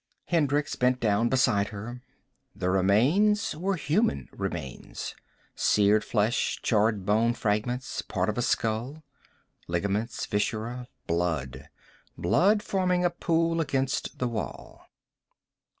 Hendricks bent down beside her. The remains were human remains. Seared flesh, charred bone fragments, part of a skull. Ligaments, viscera, blood. Blood forming a pool against the wall.